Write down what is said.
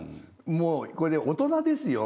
もうこれで大人ですよ